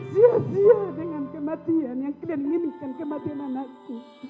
sia sia dengan kematian yang kalian inginkan kematian anakku